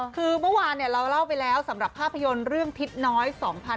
คือเมื่อวานเราเล่าไปแล้วสำหรับภาพยนตร์เรื่องทิศน้อย๒๕๖๒